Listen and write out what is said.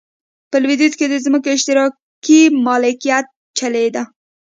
په لوېدیځ کې د ځمکو اشتراکي مالکیت چلېده.